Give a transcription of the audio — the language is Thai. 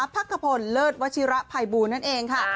พักขพลเลิศวัชิระภัยบูลนั่นเองค่ะ